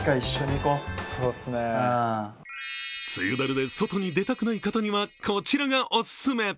梅雨ダルで外に出たくない方にはこちらがおすすめ。